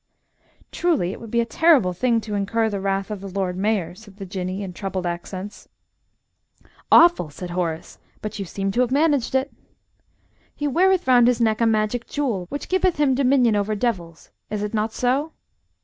"Truly, it would be a terrible thing to incur the wrath of the Lord Mayor," said the Jinnee, in troubled accents. "Awful!" said Horace. "But you seem to have managed it." "He weareth round his neck a magic jewel, which giveth him dominion over devils is it not so?"